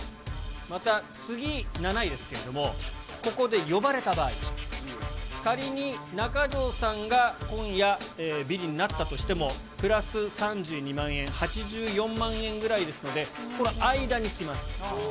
また次、７位ですけれども、ここで呼ばれた場合、仮に中条さんが今夜ビリになったとしても、プラス３２万円、８４万円ぐらいですので、この間にきます。